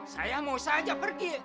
saya mau saja pergi